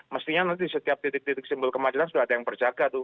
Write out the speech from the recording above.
mestinya nanti setiap titik titik simbol kemandiran sudah ada yang berjaga tuh